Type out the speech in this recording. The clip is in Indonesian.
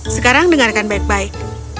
sekarang dengarkan baik baik